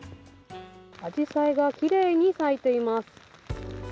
あじさいがきれいに咲いています。